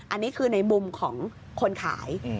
อันนี้คือในมุมของคนขาย